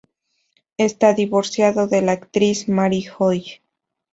Está divorciado de la actriz Mary Joy.